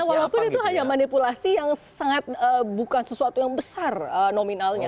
walaupun itu hanya manipulasi yang sangat bukan sesuatu yang besar nominalnya